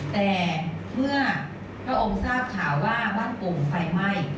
แต่เมื่อพระองค์ทราบข่าวว่าบ้านโป่งไฟไหม้